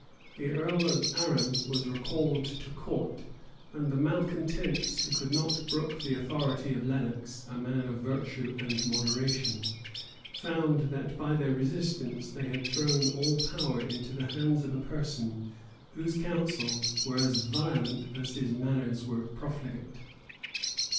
The earl of Arran was recalled to court; and the malecontents, who could not brook the authority of Lenox, a man of virtue and moderation, found, that by their resistance, they had thrown all power into the hands of a person whose counsels were as violent as his manners were profligate.